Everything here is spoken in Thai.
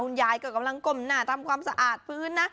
ยายก็กำลังก้มหน้าทำความสะอาดพื้นนะ